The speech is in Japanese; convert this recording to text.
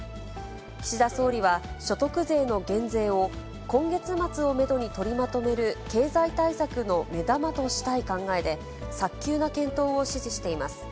岸田総理は、所得税の減税を、今月末をメドに取りまとめる経済対策の目玉としたい考えで、早急な検討を指示しています。